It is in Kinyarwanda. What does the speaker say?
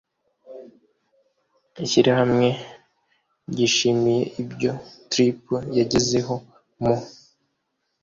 ishyirahamwe hrw ryishimiye ibyo tpir yagezeho mu